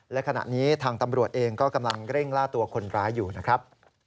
และขณะนี้ทางตำรวจเองก็กำลังเร่งล่าตัวคนร้ายอยู่นะครับ